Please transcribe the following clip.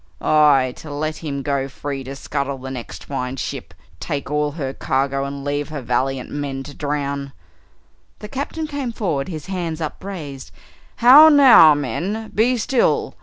"Aye to let him go free to scuttle the next fine ship, take all her cargo, and leave her valiant men to drown!" The Captain came forward, his hands upraised. "How now, men, be still!